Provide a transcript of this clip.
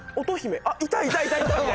あっいたいたみたいな。